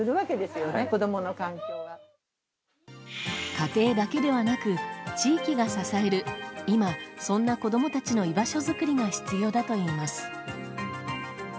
家庭だけではなく地域が支える今、そんな子供たちの居場所作りが必要だといいます。